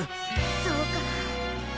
そうか。